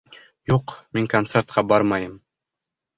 Юҡ, мин концертҡа бармайым.